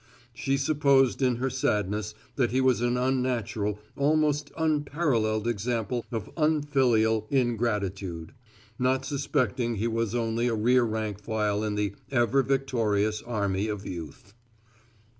She supposed in her sadness that he was an unnatural, almost unparalleled example of unfilial ingratitude; not suspecting he was only a rear rank file in the Ever Victorious Army of Youth.